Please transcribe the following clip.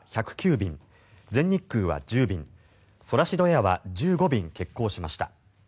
便全日空は１０便ソラシドエアは１５便欠航しました。